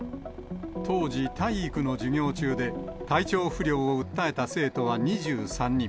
当時、体育の授業中で、体調不良を訴えた生徒は２３人。